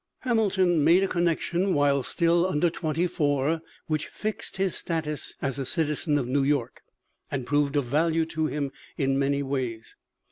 Hamilton made a connection while still under twenty four which fixed his status as a citizen of New York, and proved of value to him in many ways.